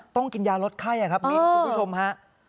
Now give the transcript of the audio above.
ต้องกินยารสไข้นะครับมีผู้ชมค่ะ